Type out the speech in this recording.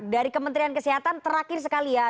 dari kementerian kesehatan terakhir sekali ya